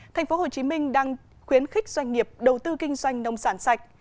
tp hcm đang khuyến khích doanh nghiệp đầu tư kinh doanh nông sản sạch